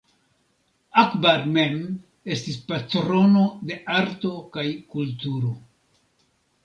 Akbar mem estis patrono de arto kaj kulturo.